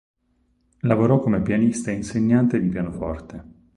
Lavorò come pianista e insegnante di pianoforte.